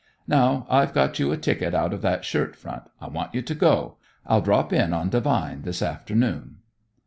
Now I've got you a ticket out of that shirt front, I want you to go. I'll drop in on Devine this afternoon."